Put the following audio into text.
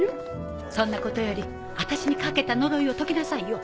そんなことより私にかけた呪いを解きなさいよ。